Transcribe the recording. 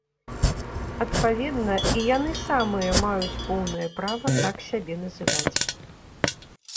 Адпаведна, і яны самыя маюць поўнае права так сябе называць.